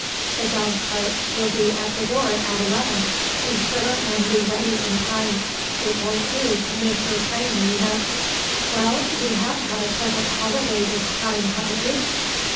"The dog cart will be at the door at eleven. Be sure and be ready in time. It won't do to miss your train, you know. Well, you have had a pleasant holiday this time, haven't you?"